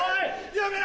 やめろ！